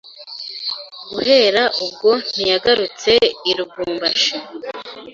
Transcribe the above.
guhera ubwo ntiyagarutse i Lubumbashi.